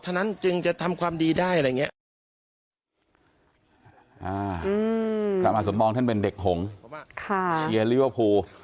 ค่ะใจเชียร์บริวพูเวียน